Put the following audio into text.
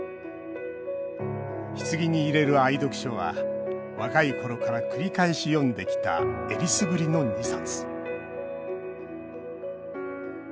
ひつぎに入れる愛読書は若いころから繰り返し読んできたえりすぐりの２冊。